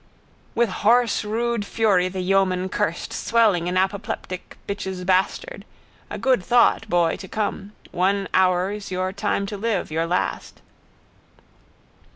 With hoarse rude fury the yeoman cursed, swelling in apoplectic bitch's bastard. A good thought, boy, to come. One hour's your time to live, your last.